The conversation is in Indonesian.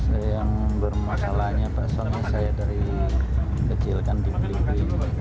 saya yang bermasalahnya pak soalnya saya dari kecil kan dibeli